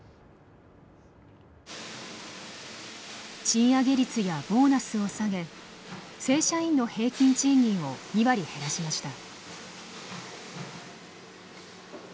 賃上げ率やボーナスを下げ正社員の平均賃金を２割減らしました。